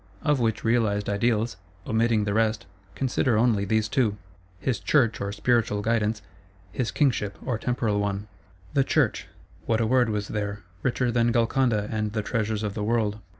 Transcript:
Of which realised ideals, omitting the rest, consider only these two: his Church, or spiritual Guidance; his Kingship, or temporal one. The Church: what a word was there; richer than Golconda and the treasures of the world!